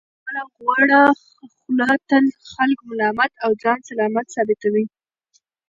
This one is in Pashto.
علي په خپله غوړه خوله تل خلک ملامت او ځان سلامت ثابتوي.